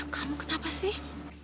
kamu kenapa sih